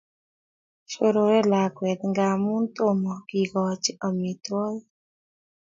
Shorore lakwet ngamun tomo kikachi amitwakik